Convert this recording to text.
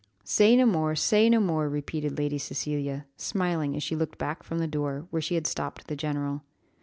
"Say no more, say no more," repeated Lady Cecilia, smiling as she looked back from the door, where she had stopped the general.